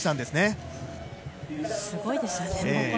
すごいですよね。